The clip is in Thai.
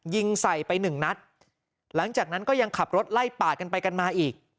ยิงใส่ไปหนึ่งนัดหลังจากนั้นก็ยังขับรถไล่ปาดกันไปกันมาอีก